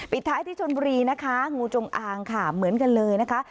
ท้ายที่ชนบุรีนะคะงูจงอางค่ะเหมือนกันเลยนะคะ